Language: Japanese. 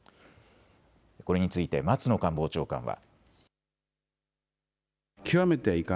これについて松野官房長官は。